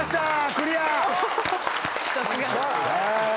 クリア。